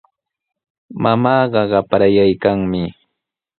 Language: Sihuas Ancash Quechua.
Mamaaqa qaprayaykanmi.